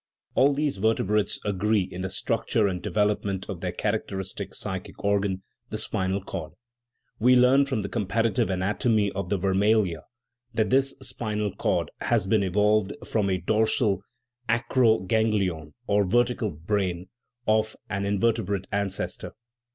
All these ver tebrates agree in the structure and development of their characteristic psychic organ the spinal cord. We learn from the comparative anatomy of the vermalia that this spinal cord has been evolved from a dorsal aero ganglion, or vertical brain, of an invertebrate ancestor.